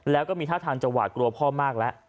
แล้วก็มีท่าทางจะหวาดกลัวพ่อมากแล้ว